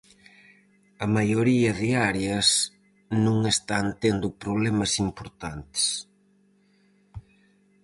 A maioría de áreas non están tendo problemas importantes.